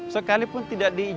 sekalipun tidak diinginkan